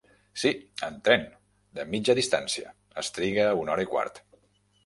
Sí, en tren, de mitja distància, es triga una hora i quart.